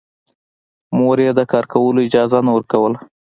مور يې د کار کولو اجازه نه ورکوله